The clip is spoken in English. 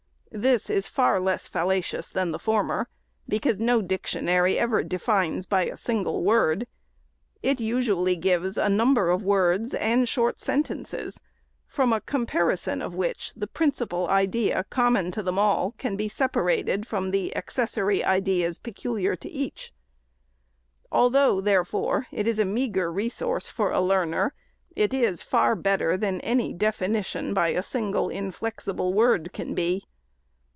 This is far less fallacious than the former, because no dictionary ever defines by a single word. It usually gives a number of words and short sentences, from a comparison of which, the princi pal idea, common to them all, can be separated from the accessory ideas peculiar to each. Although, therefore, it is a meagre resource for a learner, it is far better than any definition, by a single inflexible word, can be.